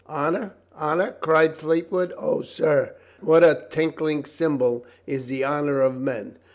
I " "Honor! Honor!" cried Fleetwood. "O, sir, what a tinkling cymbal is the honor of men.